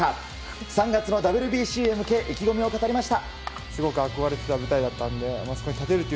３月のＷＢＣへ向け意気込みを語りました。